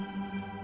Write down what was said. setiap senulun buat